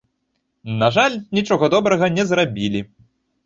На жаль, нічога добрага не зрабілі.